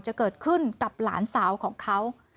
จะเกิดขึ้นกับหลานสาวของเขา